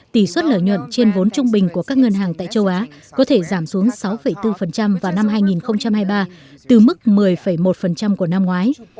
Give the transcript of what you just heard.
tỷ suất lợi nhuận trên vốn trung bình của các ngân hàng tại châu á có thể giảm xuống sáu bốn vào năm hai nghìn hai mươi ba từ mức một mươi một của năm ngoái